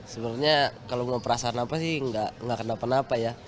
sebenarnya kalau mau perasaan apa sih nggak kenapa napa ya